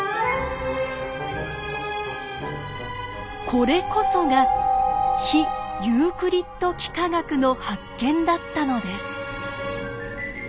これこそが非ユークリッド幾何学の発見だったのです。